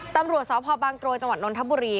ตำรวจสพบางตรวยจนธบุรี